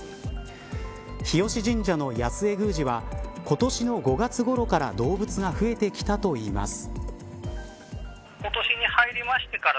日吉神社の安江宮司は今年の５月ごろから動物が増えてきたといいます。